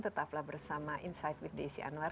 tetaplah bersama insight with desi anwar